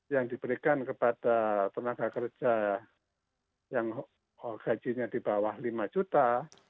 yang diberikan kepada tenaga kerja yang gajinya di bawah lima juta